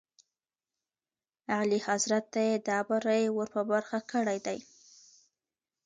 اعلیحضرت ته یې دا بری ور په برخه کړی دی.